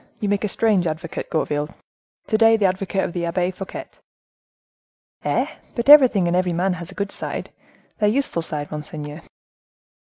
You make a strange advocate, Gourville, to day—the advocate of the Abbe Fouquet!" "Eh! but everything and every man has a good side—their useful side, monseigneur."